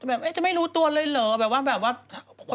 แบบจะไม่รู้ตัวเลยเหรอแบบว่าแบบว่า